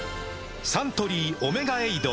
サントリー「オメガエイド」